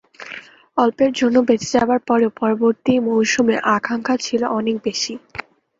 অল্পের জন্য বেঁচে যাবার পরেও পরবর্তী মৌসুমে আকাঙ্খা ছিল অনেক বেশি।